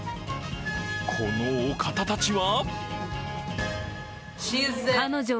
このお方たちは？